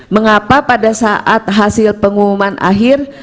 mengapa pada saat hasil pengumuman akhir